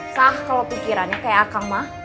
sah kalau pikirannya kayak akang mah